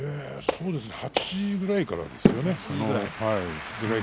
そうですね８時くらいからですよね。